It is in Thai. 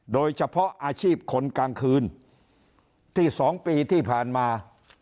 โดยเฉพาะอาชีพคนกลางคืนที่๒ปีที่ผ่านมา